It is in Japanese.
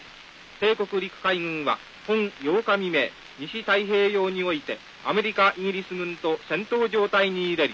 帝国陸海軍は本８日未明西太平洋においてアメリカイギリス軍と戦闘状態に入れり。